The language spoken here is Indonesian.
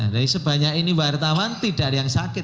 dari sebanyak ini wartawan tidak ada yang sakit